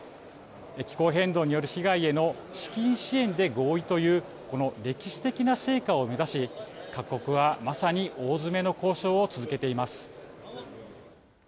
気候変動による被害への資金支援で合意という、この歴史的な成果を目指し、各国はまさに大詰めの交渉を続けています。